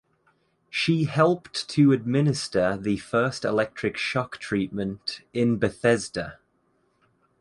She helped to administer the first electric shock treatment in Bethesda.